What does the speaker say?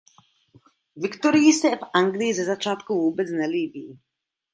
Viktorii se v Anglii ze začátku vůbec nelíbí.